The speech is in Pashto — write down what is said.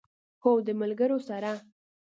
هو، د ملګرو سره